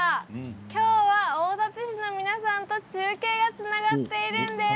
きょうは、大館市の皆さんと中継がつながっているんです。